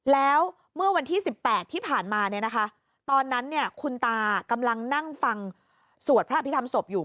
แล้วเมื่อวันที่๑๘ที่ผ่านมาตอนนั้นคุณตากำลังนั่งฟังสวดพระอภิษฐรรมศพอยู่